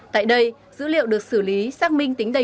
tại đây dữ liệu được xử lý xác minh tính đầy